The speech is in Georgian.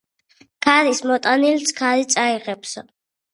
ქარის მოტანილს ქარი წაიღებსო.